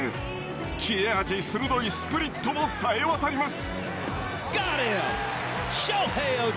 切れ味鋭いスプリットもさえ渡ります。